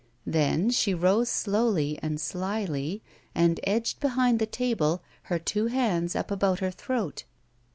Then she rose slowly and slyly, and edged behind the table, her two hands up about her throat.